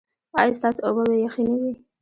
ایا ستاسو اوبه به یخې نه وي؟